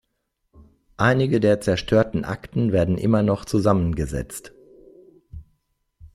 Einige der zerstörten Akten werden immer noch zusammengesetzt.